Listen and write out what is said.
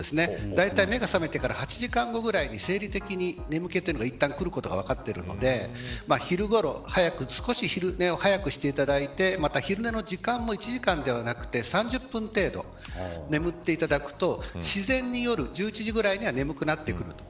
だいたい寝て、目が覚めてから８時間後ぐらいに生理的に眠気がいったんくることが分かっているので少し昼寝を早くしていただいてまた昼寝の時間も１時間ではなく３０分程度眠っていただくと、自然に夜１１時ぐらいには眠くなってくると。